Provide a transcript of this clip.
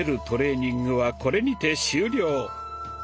トレーニングはこれにて終了！